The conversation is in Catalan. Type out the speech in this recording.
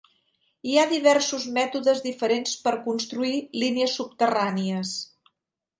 Hi ha diversos mètodes diferents per construir línies subterrànies.